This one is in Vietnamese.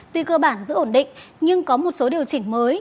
tuy cơ bản giữ ổn định nhưng có một số điều chỉnh mới